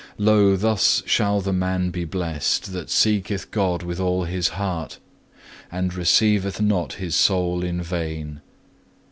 Lo, thus shall the man be blessed, that seeketh God with all his heart, and receiveth not his soul in vain.